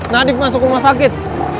nadif masuk rumah sakit